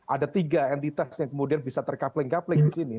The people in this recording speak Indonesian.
ada tiga entitas yang kemudian bisa terkapling kapling disini